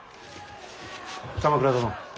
鎌倉殿。